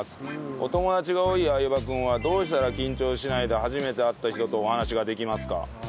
お友達が多い相葉君はどうしたら緊張しないで初めて会った人とお話ができますか？